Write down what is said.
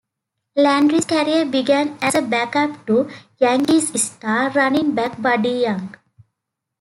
Landry's career began as a back-up to Yankees star running back Buddy Young.